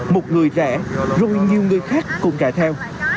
một người rẽ rồi nhiều người khác cũng rẽ theo